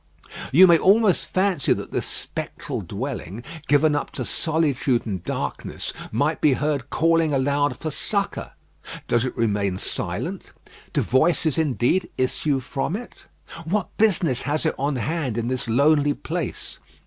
You may almost fancy that this spectral dwelling, given up to solitude and darkness, might be heard calling aloud for succour. Does it remain silent? Do voices indeed issue from it? What business has it on hand in this lonely place?